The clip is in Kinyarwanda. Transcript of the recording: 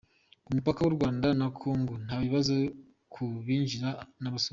Ku mupaka w’u Rwanda na kongo nta bibazo ku binjira n’abasohoka